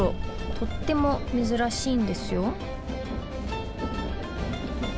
とってもめずらしいんですよ。